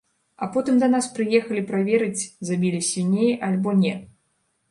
А потым да нас прыехалі праверыць, забілі свіней альбо не.